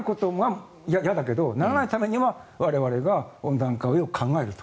嫌だけどならないためには我々が温暖化を考えると。